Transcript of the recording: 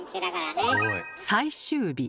最終日。